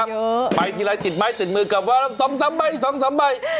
เยอะครับไปทีละสิบไม้สิบมือกลับว่าสองสามใบสองสามใบ